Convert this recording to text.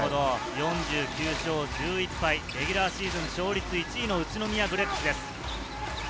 ４９勝１１敗、レギュラーシーズン勝率１位の宇都宮ブレックスです。